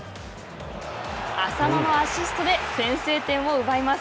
浅野のアシストで先制点を奪います。